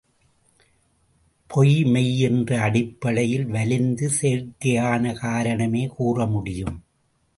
பொய் மெய் என்ற அடிப்படையில் வலிந்து செயற்கையான காரணமே கூற முடியும்.